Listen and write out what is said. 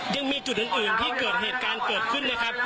ยังมีจุดอื่นที่เกิดเหตุการณ์เกิดขึ้นนะครับ